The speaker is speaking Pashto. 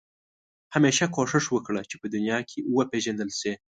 همېشه کوښښ وکړه چې په دنیا کې وپېژندل شې.